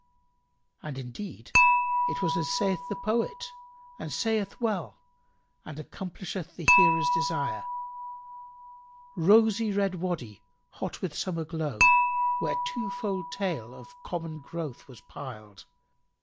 And indeed it was as saith the poet and saith well and accomplisheth the hearer's desire, "Rosy red Wady hot with summer glow, * Where twofold tale of common growth was piled.